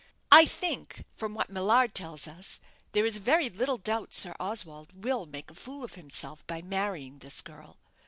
I think, from what Millard tells us, there is very little doubt Sir Oswald will make a fool of himself by marrying this girl.